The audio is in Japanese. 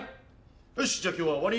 よしじゃあ今日は終わり！